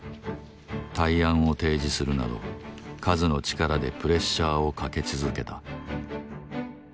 対案を提示するなど数の力でプレッシャーをかけ続けた。